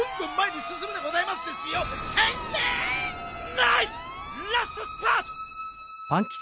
ナイスラストスパート！